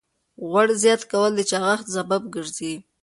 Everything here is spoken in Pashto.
غوړ زیات کول د چاغښت سبب ګرځي.